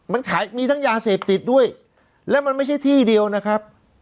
มันขายมีทั้งยาเสพติดด้วยแล้วมันไม่ใช่ที่เดียวนะครับ